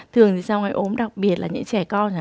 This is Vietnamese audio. thường thì sau ngày ốm đặc biệt là những trẻ con